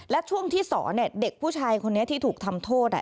และช่วงที่สอนเด็กผู้ชายคนนี้ที่ถูกทำโทษ